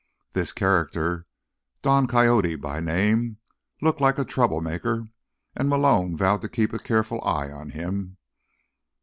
This character, Don Coyote by name, looked like a trouble maker, and Malone vowed to keep a careful eye on him.